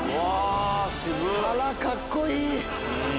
皿、かっこいい。